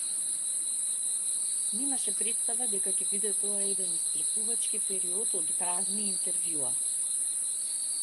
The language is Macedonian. Немаше претстава дека ќе биде тоа еден исцрпувачки период од празни интервјуа.